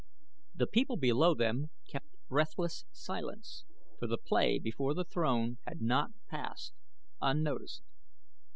The people below them kept breathless silence for the play before the throne had not passed unnoticed.